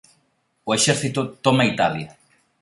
O exército toma Italia